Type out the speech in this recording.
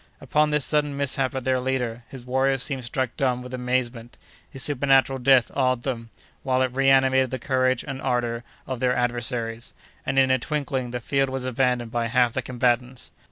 Upon this sudden mishap of their leader, his warriors seemed struck dumb with amazement; his supernatural death awed them, while it reanimated the courage and ardor of their adversaries, and, in a twinkling, the field was abandoned by half the combatants.